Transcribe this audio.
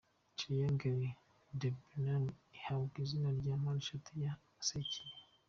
Triangle de Bermude ihabwa izina rya Mpandeshatu ya Sekibi.